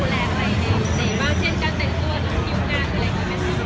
แล้วเราจะเข้อนขึ้นกี่ต่อข้าง